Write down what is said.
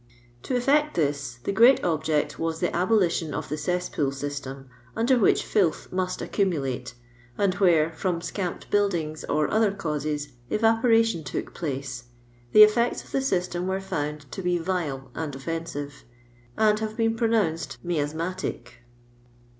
To elTect this, the great object was the aboli tion of the cessp«>ol system, under which tilth must accumulate, and where, from scamped build ings or other causes, evaporation took place, the ettects of the system were found to be vile and offensive, and have been pronounced miasmatic.